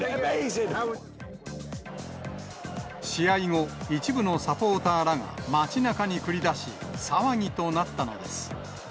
試合後、一部のサポーターらが街なかに繰り出し、騒ぎとなったのです。